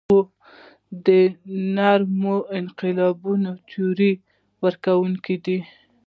هغه د نرمو انقلابونو تیوري ورکوونکی دی.